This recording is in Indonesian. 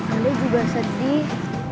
andai juga sedih